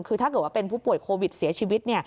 คือถ้าเกิดว่าเป็นผู้ป่วยโควิดเสียชีวิต